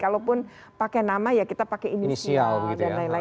kalaupun pakai nama ya kita pakai inisial